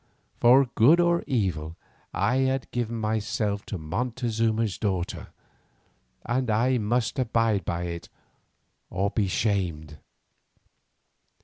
For good or evil I had given myself to Montezuma's daughter, and I must abide by it or be shamed.